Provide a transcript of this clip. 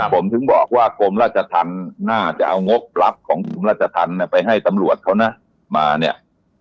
ผมถึงบอกว่ากรมราชธรรมน่าจะเอางบรับของกรมราชธรรมไปให้ตำรวจเขานะมาเนี่ย